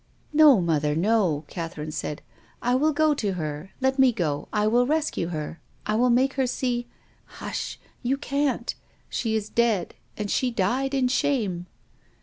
" No, mother, no !" Catherine said. " I will go to her. Let me go. I will rescue her. I will make her see "" Hush — you can't. She is dead and she died in shame."